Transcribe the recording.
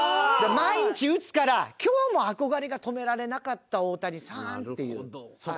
毎日打つから今日も憧れが止められなかった大谷さんっていう。